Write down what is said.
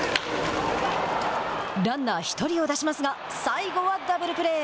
ランナー１人を出しますが最後はダブルプレー。